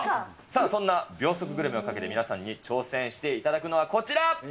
さあ、そんな秒速グルメをかけて、皆さんに挑戦いただくのはこちら。